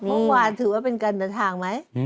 เมื่อวานถือว่าเป็นการเดินทางไหม